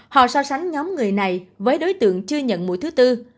họ so sánh nhóm người này với đối tượng chưa nhận mũi thứ tư